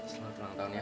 selamat ulang tahun ya